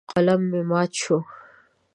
قلم مې مات شو.